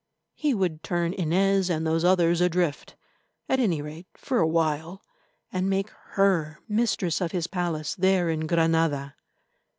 He would turn Inez and those others adrift—at any rate, for a while—and make her mistress of his palace there in Granada.